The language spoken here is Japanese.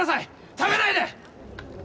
食べないで！